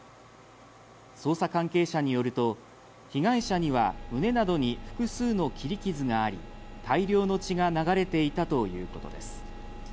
捜査関係者によると、被害者には胸などに複数の切り傷があり、大量の血が流れていたということです。